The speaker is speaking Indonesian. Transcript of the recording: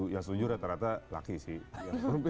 yang setuju rata rata laki sih